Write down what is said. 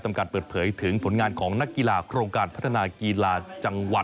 การเปิดเผยถึงผลงานของนักกีฬาโครงการพัฒนากีฬาจังหวัด